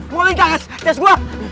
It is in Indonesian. mau ambil gas gas gua